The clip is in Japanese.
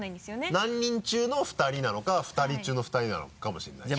何人中の２人なのか２人中の２人なのかもしれないし。